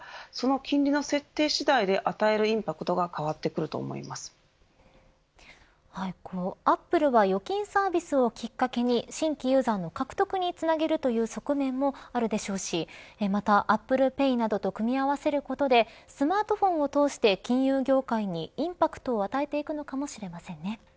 その金利の設定次第で、与えるインパクトがアップルは預金サービスをきっかけに新規ユーザーの獲得につなげるという側面もあるでしょうしまたＡｐｐｌｅＰａｙなどと組み合わせることでスマートフォンを通して金融業界にインパクトを与えていくのかもしれませんね。